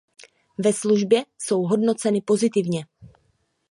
Ve službě jsou hodnoceny pozitivně.